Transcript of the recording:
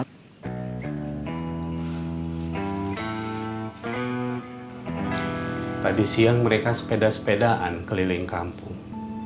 tadi siang mereka sepeda sepedaan keliling kampung